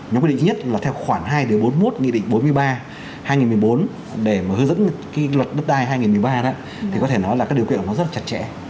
nhóm quy định nhất là theo khoảng hai bốn mươi một nghị định bốn mươi ba hai nghìn một mươi bốn để mà hướng dẫn cái luật đất đai hai nghìn một mươi ba thì có thể nói là các điều kiện nó rất là chặt chẽ